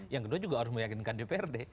yang kedua juga harus meyakinkan di prd